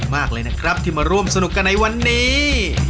เอากลับบ้านไปเลย